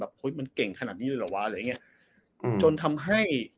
แบบมันเก่งขนาดนี้หรอวะจนทำให้